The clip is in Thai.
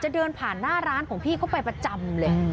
เดินผ่านหน้าร้านของพี่เขาไปประจำเลย